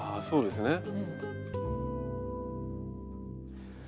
そうですね。